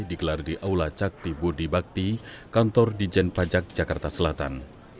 dikelar di aula cakti budi bakti kantor di jen pajak jakarta selatan